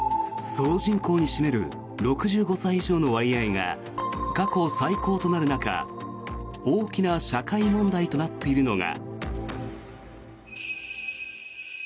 総人口に占める６５歳以上の割合が過去最高となる中大きな社会問題となっているのが。